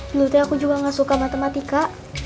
menurutnya aku juga gak suka matematika